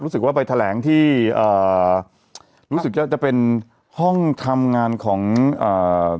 รู้สึกว่าไปแถลงที่อ่ารู้สึกว่าจะเป็นห้องทำงานของอ่า